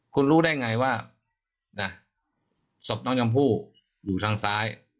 คุณรู้ได้ไงว่านะศพน้องชมพู่อยู่ทางซ้าย